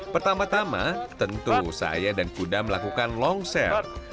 pertama tama tentu saya dan kuda melakukan long share